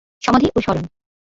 সমাধি ও স্মরণ